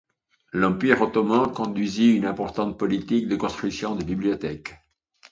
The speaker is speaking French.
L'Empire ottoman conduisit une importante politique de construction de bibliothèques.